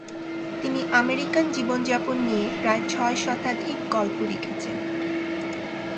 তিনি আমেরিকান জীবনযাপন নিয়ে প্রায় ছয় শতাধিক গল্প লিখেছেন।